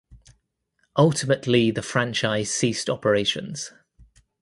Ultimately the franchise ceased operations.